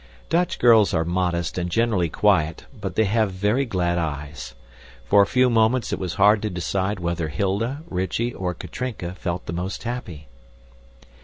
Dutch girls are modest and generally quiet, but they have very glad eyes. For a few moments it was hard to decide whether Hilda, Rychie, or Katrinka felt the most happy.